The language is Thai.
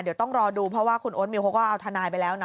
เดี๋ยวต้องรอดูเพราะว่าคุณโอ๊ตมิวเขาก็เอาทนายไปแล้วนะ